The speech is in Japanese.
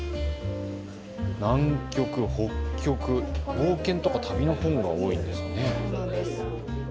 冒険とか旅の本が多いんですね。